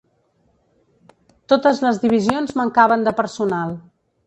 Totes les divisions mancaven de personal.